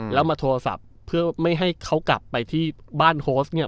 แล้วมาโทรศัพท์เพื่อไม่ให้เขากลับไปที่บ้านโฮสเนี่ย